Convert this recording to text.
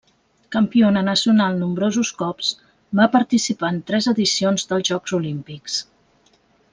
Campiona nacional nombrosos cops, va participar en tres edicions dels Jocs Olímpics.